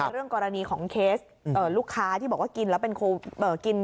เรื่องกรณีของเคสลูกค้าที่บอกว่ากินแล้วเป็นกิน